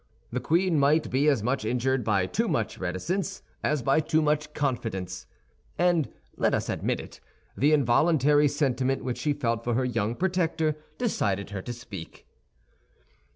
The queen might be as much injured by too much reticence as by too much confidence; and—let us admit it—the involuntary sentiment which she felt for her young protector decided her to speak.